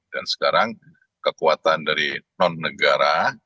dan sekarang kekuatan dari non negara